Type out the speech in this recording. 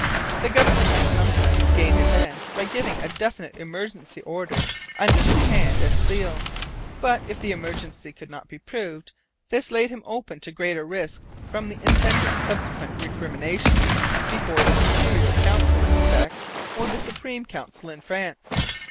The governor might sometimes gain his ends by giving a definite emergency order under his hand and seal. But, if the emergency could not be proved, this laid him open to great risks from the intendant's subsequent recriminations before the Superior Council in Quebec or the Supreme Council in France.